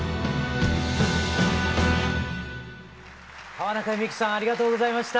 川中美幸さんありがとうございました。